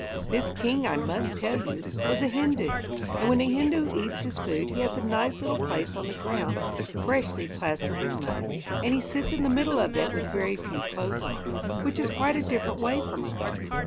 This king, I must tell you, was a Hindu; and when a Hindu eats his food he has a nice little place on the ground freshly plastered with mud, and he sits in the middle of it with very few clothes on which is quite a different way from ours.